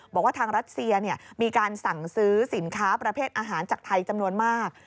บอกว่าทางรัสเซียมีการสั่งซื้อสินค้าประเภทอาหารจากไทยจำนวนมาก